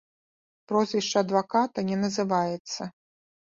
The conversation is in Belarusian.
Прозвішча адваката не называецца.